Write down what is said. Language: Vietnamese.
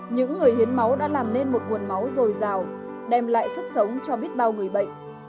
những người hiến máu đã làm nên một nguồn máu dồi dào đem lại sức sống cho biết bao người bệnh